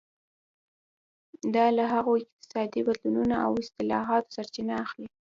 دا له هغو اقتصادي بدلونونو او اصلاحاتو سرچینه اخلي.